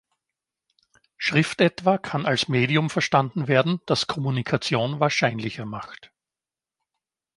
Schrift etwa kann als Medium verstanden werden, das Kommunikation wahrscheinlicher macht.